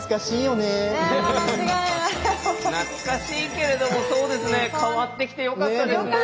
懐かしいけれどもそうですね変わってきてよかったですね。